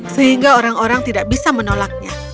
sehingga orang orang tidak bisa menolaknya